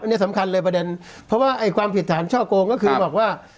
อันนี้สำคัญเลยประเด็นเพราะว่าไอ้ความผิดฐานช่อโกงก็คือบอกว่า